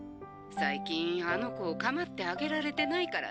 最近あの子をかまってあげられてないからね。